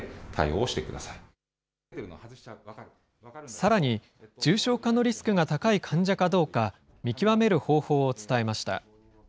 さらに、重症化のリスクが高い患者かどうか、見極める方法を伝えました。